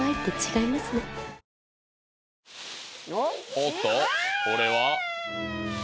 おっとこれは？